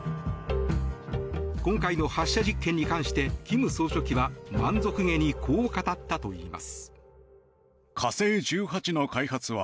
今回の発射実験に関して金総書記は満足げにこう語ったといいます。